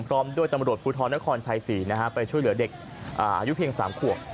พร้อมด้วยตำรวจภูทรนครชัยศรีไปช่วยเหลือเด็กอายุเพียง๓ขวบ